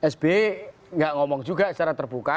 sby nggak ngomong juga secara terbuka